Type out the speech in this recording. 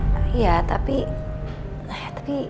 tapi cherry pokoknya sama telur